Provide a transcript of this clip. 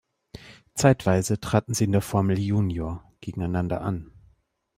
Zeitweise traten sie in der Formel Junior gegeneinander an.